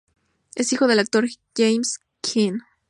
Es hijo del actor James Caan.